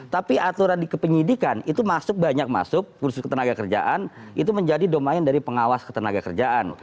tapi aturan di kepenyidikan itu masuk banyak masuk kursus ketenaga kerjaan itu menjadi domain dari pengawas ketenaga kerjaan